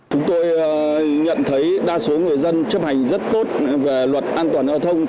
chúng tôi nhận thấy đa số người dân chấp hành rất tốt về luật an toàn giao thông